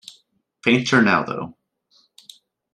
Fainter now, though.